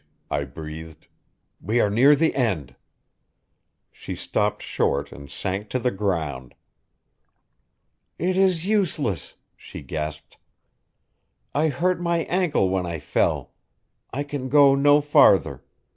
I breathed. "We are near the end." She stopped short and sank to the ground. "It is useless," she gasped. "I hurt my ankle when I fell. I can go no farther.